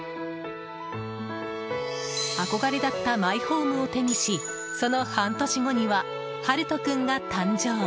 憧れだったマイホームを手にしその半年後にははるとくんが誕生。